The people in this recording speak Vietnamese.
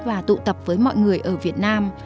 và tụ tập với mọi người ở việt nam